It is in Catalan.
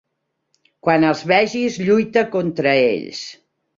Quan els vegis, lluita contra ells.